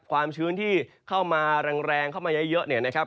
ความชื้นที่เข้ามาแรงเข้ามาเยอะเนี่ยนะครับ